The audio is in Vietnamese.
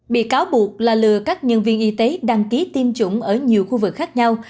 bị cáo buộc là lừa các nhân viên y tế đăng ký tiêm chủng ở nhiều khu vực khác nhau